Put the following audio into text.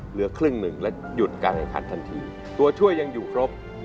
เหลือครึ่งหนึ่งและหยุดการแข่งขันทันทีตัวช่วยยังอยู่ครบ